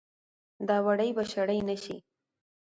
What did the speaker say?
دا وړۍ به شړۍ نه شي